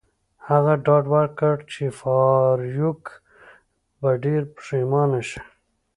هغه ډاډ ورکړ چې فارویک به ډیر پښیمانه شي